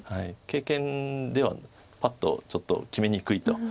経験ではパッとちょっと決めにくいと。